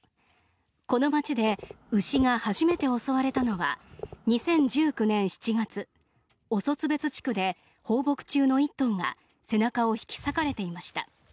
この町で牛が初めて襲われたのは２０１９年７月、オソツベツ地区で放牧中の１頭が背中を引き裂かれていました。